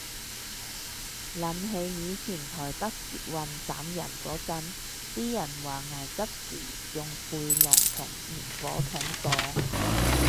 諗起以前台北捷運斬人嗰陣，啲人話危急時用背囊同滅火筒擋